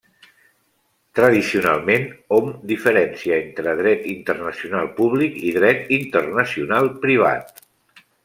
Tradicionalment, hom diferencia entre dret internacional públic i dret internacional privat.